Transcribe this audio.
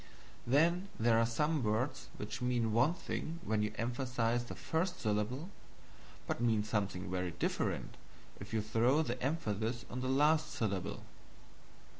Then there are some words which mean one thing when you emphasize the first syllable, but mean something very different if you throw the emphasis on the last syllable.